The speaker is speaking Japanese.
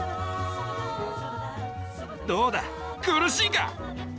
どうだ苦しいか？